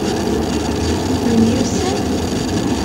Nemyussan?